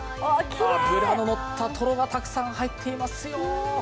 脂ののったトロがたくさん入っていますよ。